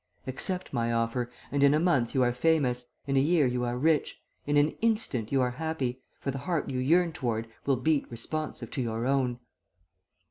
Accept my offer, and in a month you are famous, in a year you are rich, in an instant you are happy, for the heart you yearn toward will beat responsive to your own.'